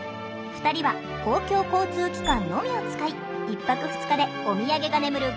２人は公共交通機関のみを使い１泊２日でおみやげが眠る